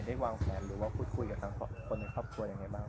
วางแผนหรือว่าพูดคุยกับทางคนในครอบครัวยังไงบ้าง